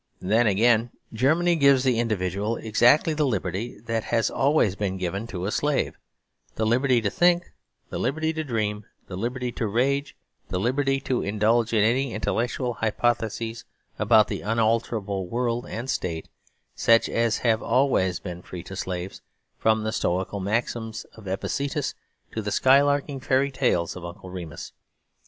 Then again, Germany gives the individual exactly the liberty that has always been given to a slave the liberty to think, the liberty to dream, the liberty to rage; the liberty to indulge in any intellectual hypotheses about the unalterable world and state such as have always been free to slaves, from the stoical maxims of Epictetus to the skylarking fairy tales of Uncle Remus.